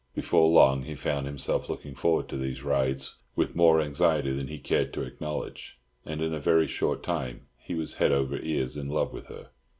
Before long he found himself looking forward to these rides with more anxiety than he cared to acknowledge, and in a very short time he was head over ears in love with her.